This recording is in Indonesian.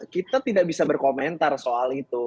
kita tidak bisa berkomentar soal itu